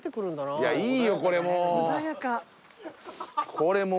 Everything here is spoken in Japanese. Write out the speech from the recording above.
いいよこれもう！